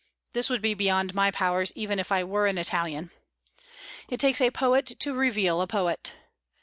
This would be beyond my powers, even if I were an Italian. It takes a poet to reveal a poet.